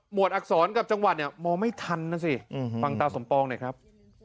หมวดอักษรกับจังหวัดเนี้ยมอไม่ทันน่ะสิอืมฮืมฮืมฟังตาสมปองด้วยครับ